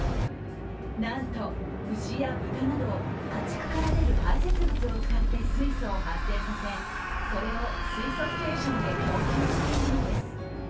なんと、牛や豚など家畜から出る排せつ物を使って水素を発生させ、それを水素ステーションで供給しているのです。